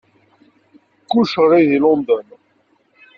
Kullec ɣlay deg London.